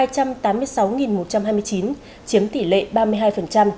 chiếm tỷ lệ ba mươi hai